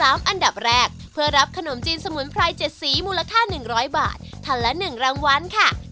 อันดับแรกเพื่อรับขนมจีนสมุนไพร๗สีมูลค่า๑๐๐บาททันละ๑รางวัลค่ะ